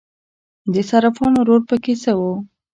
د صرافانو رول پکې څه و؟